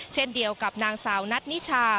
เช่นเดียวกับนางสาวนัทนิชา